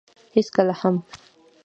هېڅکله هم.